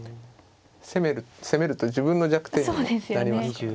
攻めると自分の弱点にもなりますからね。